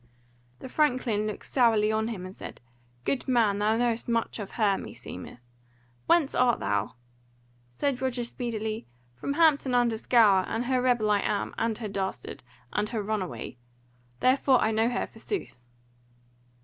The franklin looked sourly on him and said: "Good man, thou knowest much of her, meseemeth Whence art thou?" Said Roger speedily: "From Hampton under Scaur; and her rebel I am, and her dastard, and her runaway. Therefore I know her forsooth."